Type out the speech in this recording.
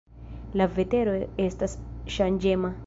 La vetero estas ŝanĝema.